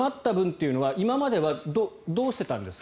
その余った分というのは今まではどうしてたんですか？